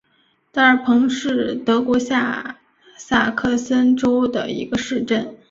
德尔彭是德国下萨克森州的一个市镇。